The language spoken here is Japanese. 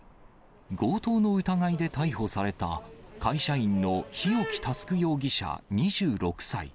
強盗の疑いで逮捕された会社員の日置佑容疑者２６歳。